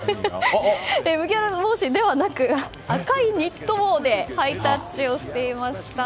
麦わら帽子ではなく赤いニット帽でハイタッチをしていました。